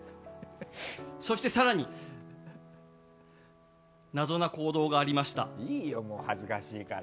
そして更に謎な行動がありました。